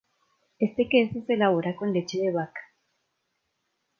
Este queso se elabora con leche de vaca.